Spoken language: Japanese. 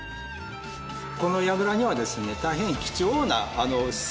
この櫓にはですね